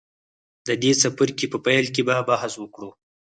د دې څپرکي په پیل کې به بحث وکړو.